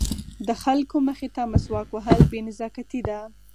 د خلکو مخې ته مسواک وهل بې نزاکتي ده.